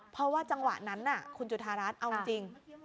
เพราะว่าจังหวะนั้นคุณจุธารัฐเอาจริง